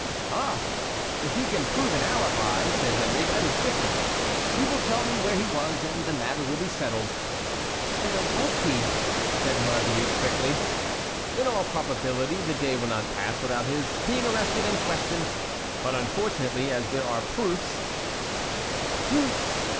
"Ah! If he can prove an alibi," said Henry, "that is different; he will tell where he was, and the matter will be settled." "Where was he?" said Marguerite, quickly. "In all probability the day will not pass without his being arrested and questioned. But unfortunately as there are proofs"— "Proofs!